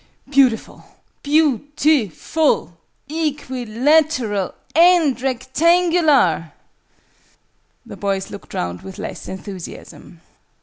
"Beautiful! Beau ti ful! Equilateral! And rectangular!" The boys looked round with less enthusiasm.